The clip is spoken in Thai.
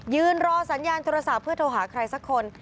ยืนรอสัญญาณโทรศัพท์เพื่อโทรหาใครสักคน